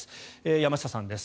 山下さんです。